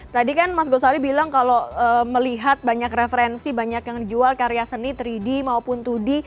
tadi kan mas gosali bilang kalau melihat banyak referensi banyak yang jual karya seni tiga d maupun dua d